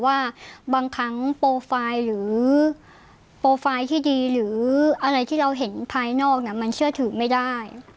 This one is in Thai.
ว่าบางครั้งโปรไฟล์หรือโปรไฟล์ที่ดีหรืออะไรที่เราเห็นภายนอกมันเชื่อถือไม่ได้